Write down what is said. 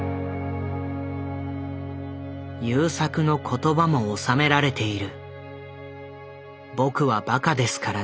優作の言葉も収められている。